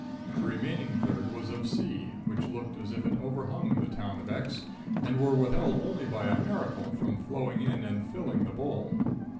The remaining third was of sea, which looked as if it overhung the town of X , and were withheld only by a miracle from flowing in and filling the bowl.